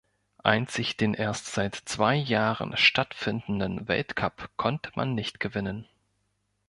Einzig den erst seit zwei Jahren stattfindenden Weltcup konnte man nicht gewinnen.